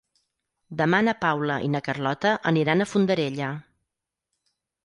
Demà na Paula i na Carlota aniran a Fondarella.